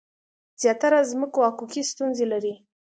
زیاتره ځمکو حقوقي ستونزي لرلي.